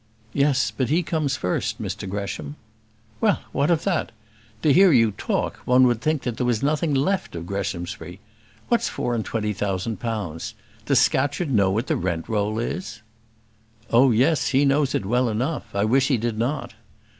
"Yes; but he comes first, Mr Gresham." "Well, what of that? To hear you talk, one would think that there was nothing left of Greshamsbury. What's four and twenty thousand pounds? Does Scatcherd know what rent roll is?" "Oh, yes, he knows it well enough: I wish he did not."